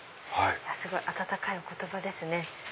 さすが温かいお言葉ですね。